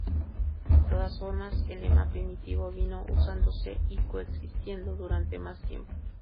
De todas formas, el lema primitivo vino usándose y coexistiendo durante más tiempo.